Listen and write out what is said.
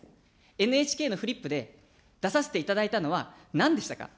ＮＨＫのフリップで出させていただいたのは、なんでしたか。